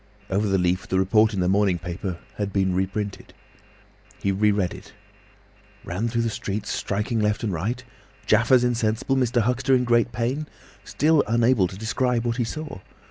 Over the leaf the report in the morning paper had been reprinted. He re read it. "Ran through the streets striking right and left. Jaffers insensible. Mr. Huxter in great pain—still unable to describe what he saw.